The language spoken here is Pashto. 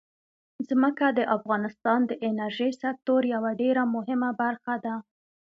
ځمکه د افغانستان د انرژۍ سکتور یوه ډېره مهمه برخه ده.